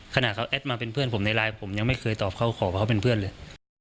ขณะเขาแอดมาเป็นเพื่อนผมในไลน์ผมยังไม่เคยตอบเขาขอว่าเขาเป็นเพื่อนเลย